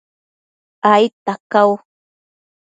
aidta cau